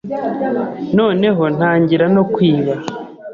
noneho ntangira no kwiba,